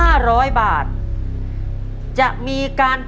คุณยายแจ้วเลือกตอบจังหวัดนครราชสีมานะครับ